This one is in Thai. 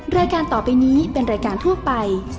รายการต่อไปนี้เป็นรายการทั่วไป